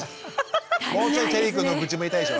もうちょいチェリー君の愚痴も言いたいでしょ？